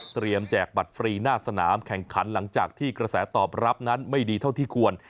แจกบัตรฟรีหน้าสนามแข่งขันหลังจากที่กระแสตอบรับนั้นไม่ดีเท่าที่ควร